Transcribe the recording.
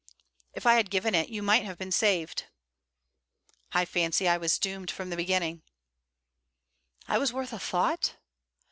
'If I had given it, you might have been saved!' 'I fancy I was doomed from the beginning.' 'I was worth a thought?'